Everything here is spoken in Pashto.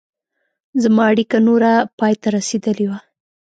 زما اړیکه نوره پای ته رسېدلې وه.